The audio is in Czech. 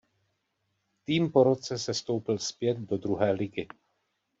Tým po roce sestoupil zpět do druhé ligy.